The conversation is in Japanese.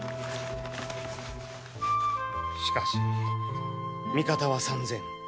しかし味方は３，０００。